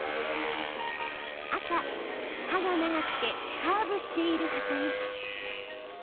赤・刃が長くてカーブしているハサミ。